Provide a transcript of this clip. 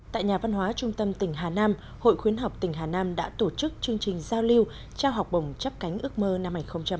tại nhà văn hóa trung tâm tỉnh hà nam hội khuyến học tỉnh hà nam đã tổ chức chương trình giao lưu trao học bổng chấp cánh ước mơ năm hai nghìn hai mươi